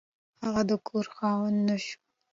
هغه د کور خاوند نه شو.